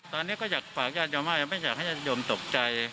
ตอนนี้ก็อยากฝากญาติยมว่าไม่อยากให้ญาติโยมตกใจ